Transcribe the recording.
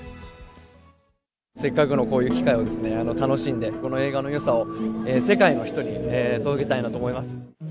せっかくのこういう機会を楽しんで、この映画のよさを世界の人に届けたいなと思います。